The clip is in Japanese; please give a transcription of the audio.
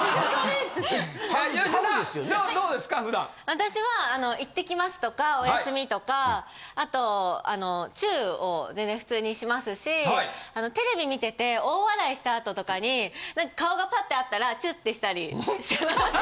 私は「行ってきます」とか「おやすみ」とかあとチューを全然普通にしますしテレビ見てて大笑いした後とかに。ってしたりしてます。